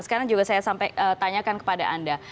sekarang juga saya sampai tanyakan kepada anda